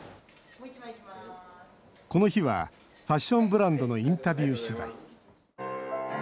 この日はファッションブランドのインタビュー取材。